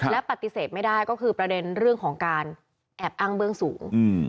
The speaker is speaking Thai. และปฏิเสธไม่ได้ก็คือประเด็นเรื่องของการแอบอ้างเบื้องสูง